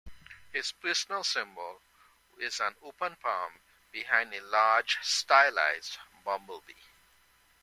His personal symbol is an open palm behind a large, stylized bumblebee.